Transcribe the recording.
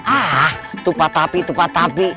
ah tupat tapi tupa tapi